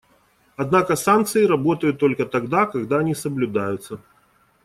Однако санкции работают только тогда, когда они соблюдаются.